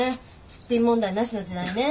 すっぴん問題なしの時代ね。